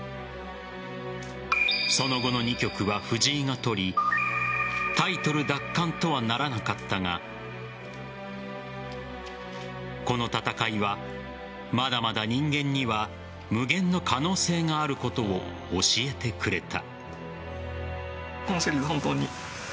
その後の２局は藤井が取りタイトル奪還とはならなかったがこの戦いは、まだまだ人間には無限の可能性があることを教えてくれた。